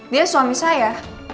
dia suami saya